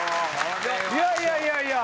いやいやいやいや。